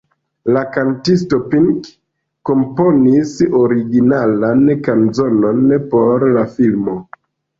La kantisto Pink komponis originalan kanzonon por la filmo.